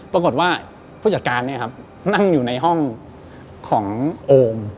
ปรากฏว่าผู้จัดการเนี่ยครับนั่งอยู่ในห้องของโอม